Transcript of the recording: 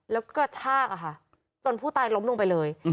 แล้วก็กระชากจนผู้ตายล้มลงไปเลย